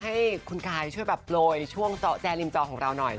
ให้คุณกายช่วยแบบโปรยช่วงเจาะแจริมจอของเราหน่อย